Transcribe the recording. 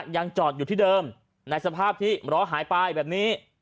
ยังจอดอยู่ที่เดิมในสภาพที่ล้อหายไปแบบนี้